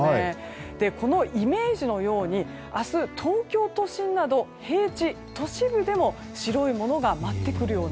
このイメージのように明日、東京都心など平地、都市部でも白いものが舞ってくるような